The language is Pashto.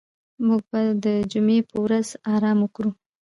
موږ به د جمعې په ورځ آرام وکړو.